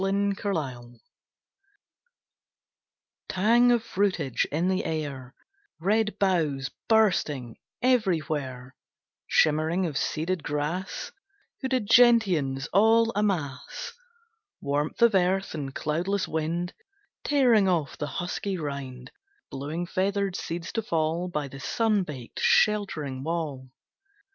Late September Tang of fruitage in the air; Red boughs bursting everywhere; Shimmering of seeded grass; Hooded gentians all a'mass. Warmth of earth, and cloudless wind Tearing off the husky rind, Blowing feathered seeds to fall By the sun baked, sheltering wall.